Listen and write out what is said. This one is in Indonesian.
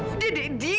udah deh di